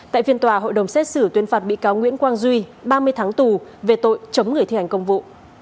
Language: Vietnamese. tại phiên tòa hội đồng xét xử tuyên phạt bị cáo nguyễn quang duy ba mươi tháng tù về tội chống người thi hành công vụ